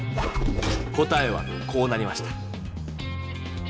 答えはこうなりました。